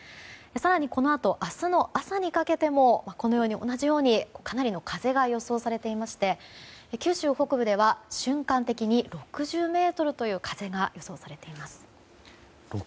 更にこのあと明日の朝にかけてもこのように同じようにかなりの風が予想されていまして九州北部では瞬間的に６０メートルという風が予想されています。